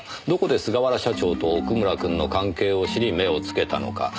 どこで菅原社長と奥村くんの関係を知り目をつけたのか。